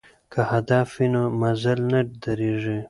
که هدف وي نو مزل نه دریږي.